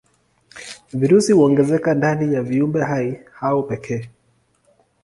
Virusi huongezeka ndani ya viumbehai hao pekee.